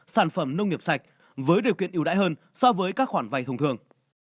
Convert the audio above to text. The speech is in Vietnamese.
sản phẩm nông nghiệp sạch với điều kiện yếu đại hơn so với các khoản vai thông thường